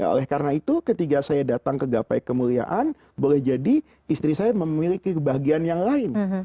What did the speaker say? oleh karena itu ketika saya datang ke gapai kemuliaan boleh jadi istri saya memiliki kebahagiaan yang lain